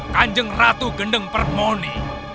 kanjeng ratu gendeng perponi